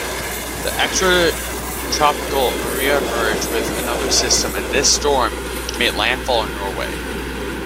The extratropical Maria merged with another system and this storm made landfall in Norway.